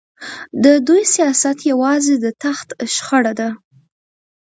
د دوی سیاست یوازې د تخت شخړه ده.